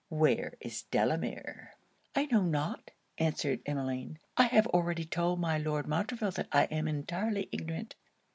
Where is Delamere?' 'I know not,' answered Emmeline. 'I have already told my Lord Montreville that I am entirely ignorant.'